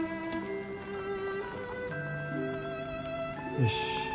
よし。